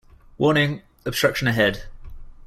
Warning! Obstruction ahead.